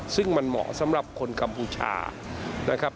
ซึ่งมันเหมาะสำหรับคนกัมพูชานะครับ